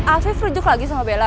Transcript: alvif rujuk lagi sama bella